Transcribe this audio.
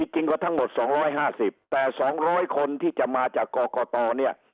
จริงก็ทั้งหมด๒๕๐แต่๒๐๐คนที่จะมาจากกรกตเนี่ย